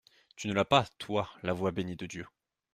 Tu ne l'as pas, toi, la voix bénie de Dieu.